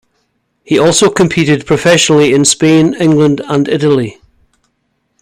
He also competed professionally in Spain, England and Italy.